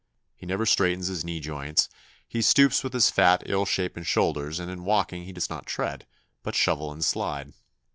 He never straightens his knee joints. He stoops with his fat, ill shapen shoulders, and in walking he does not tread, but shovel and slide.